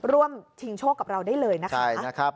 ร่วมทิ้งโชคกับเราได้เลยนะคะใช่นะครับ